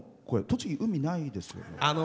栃木、海ないですよね。